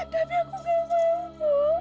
tapi aku gak mau bu